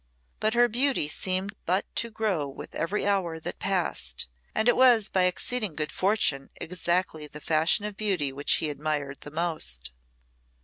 But her beauty seemed but to grow with every hour that passed, and it was by exceeding good fortune exactly the fashion of beauty which he admired the most.